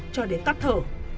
cho đến tắt thở